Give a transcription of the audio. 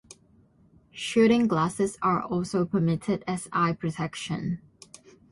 Shooting glasses are also permitted as eye protection.